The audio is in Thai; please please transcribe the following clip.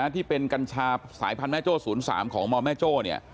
ที่เป็นกัญชาสายพันธุแม่โจ้๐๓ของมแม่โจ้เนี่ย